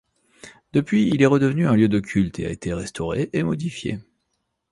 Depuis, il est redevenu un lieu de culte et a été restauré et modifié.